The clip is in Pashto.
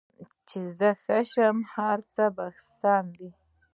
چې زه ښه یم، هر څه سم دي